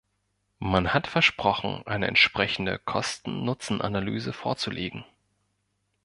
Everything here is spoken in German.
Man hat versprochen, eine entsprechende Kosten-Nutzen-Analyse vorzulegen.